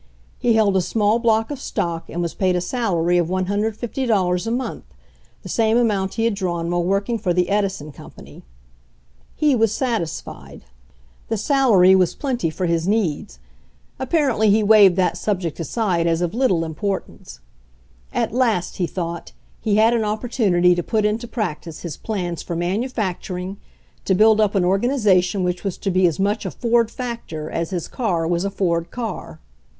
He held a small block of stock and was paid a salary of $150 a month, the same amount he had drawn while working for the Edi son company. He was satisfied. The salary was plenty for 120 HENRY FORD'S OWN STORY his needs ; apparently he waved that subject aside as of little importance. At last, he thought, he had an opportunity to put into practice b^s. plans for manufacturing, to build up an organization which was to be as much a Ford factor as his car was a Ford car.